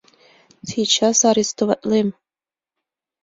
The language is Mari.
— Сейчас арестоватлем!..